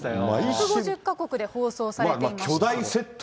１５０か国で放送されていました。